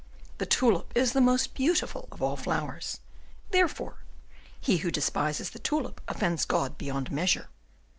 "The tulip is the most beautiful of all flowers. "Therefore, he who despises the tulip offends God beyond measure."